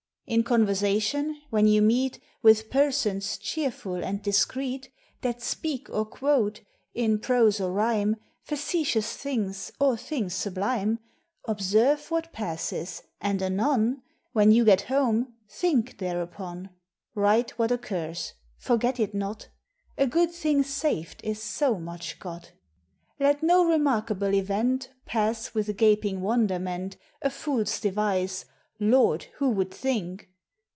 In conversation, when you meet With persons cheerful and discreet, That speak or quote, in prose or rhyme, Facetious things or things sublime, Observe what passes, and anon, When you get home think thereupon; Write what occurs; forget it not; A good thing sav'd is so much got. Let no remarkable event Pass with a gaping wonderment, A fool's device 'Lord, who would think!'